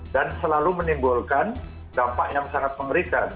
dan selalu menimbulkan dampak yang sangat mengerikan